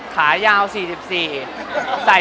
ขายาว๔๔ใส่๑๐